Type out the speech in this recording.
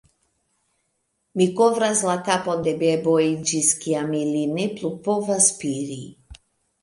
"Mi kovras la kapon de beboj ĝis kiam ili ne plu povas spiri."